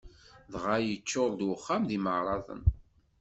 Dɣa yeččuṛ-d uxxam d imeɛraḍen.